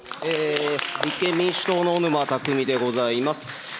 立憲民主党の小沼巧でございます。